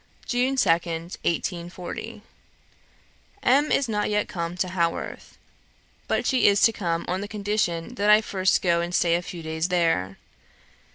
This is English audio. "June 2nd, 1840. "M. is not yet come to Haworth; but she is to come on the condition that I first go and stay a few days there.